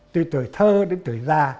từ tuổi thơ đến tuổi già